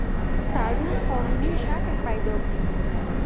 تړون قانوني شکل پیدا کړي.